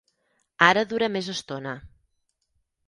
Ara dura més estona.